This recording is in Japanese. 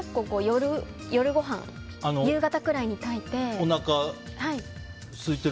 夜ごはん、夕方くらいに炊いて。